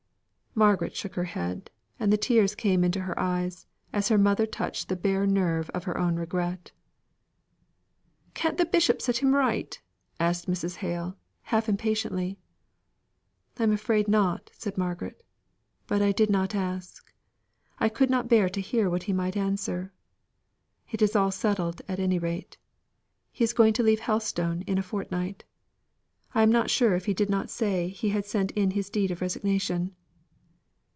Margaret shook her head, and the tears came into her eyes, as her mother touched the bare nerve of her own regret. "Can't the bishop set him right?" asked Mrs. Hale half impatiently. "I'm afraid not," said Margaret. "But I did not ask. I could not bear to hear what he might answer. It is all settled at any rate. He is going to leave Helstone in a fortnight. I am not sure if he did not say he had sent in his deed of resignation."